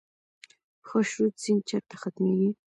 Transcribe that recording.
خاشرود سیند چیرته ختمیږي؟